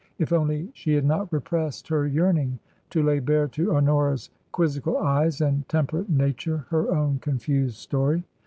If only she had not repressed her yearning to lay bare to Honora's quiz zical eyes and temperate nature her own confused story